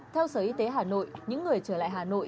theo sở y tế hà nội những người trở lại hà nội